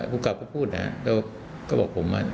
ภูมิกรับก็พูดนะเขาก็บอกผมว่า